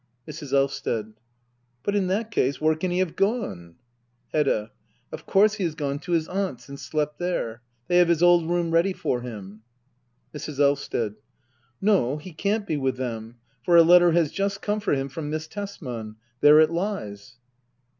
Mrs. Elvsted. But in that case — where can he have gone ? Hedda. Of course he has gone to his Aunts' and slept there. They have his old room ready for him. Mrs. Elvsted. No, he can't be with them ; for a letter has just come for him from Miss Tesman. There it lies.